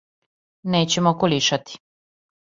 Нећемо околишати.